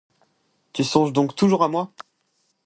Tu songes donc toujours à moi!